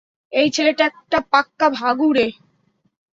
এই ছেলেটা একটা পাক্কা ভাগুরে।